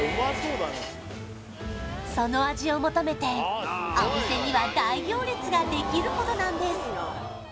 その味を求めてお店には大行列ができるほどなんです！